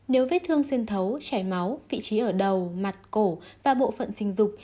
nếu vết thương xuyên thấu chảy máu vị trí ở đầu mặt cổ và bộ phận sinh dục